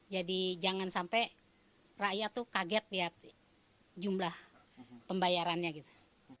jadi jangan sampai rakyat tuh kaget lihat jumlah pembayarannya gitu